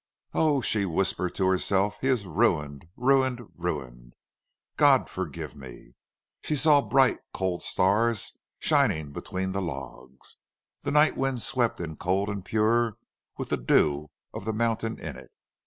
"Oh," she whispered to herself, "he is ruined ruined ruined!... God forgive me!" She saw bright, cold stars shining between the logs. The night wind swept in cold and pure, with the dew of the mountain in it.